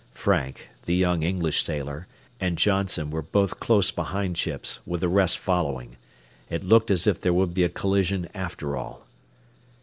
Frank, the young English sailor, and Johnson were both close behind Chins, with the rest following. It looked as if there would be a collision, after all.